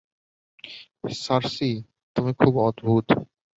সার্সি, তুমি খুব অদ্ভুদ!